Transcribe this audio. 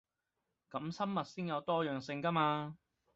噉生物先有多樣性 𠺢 嘛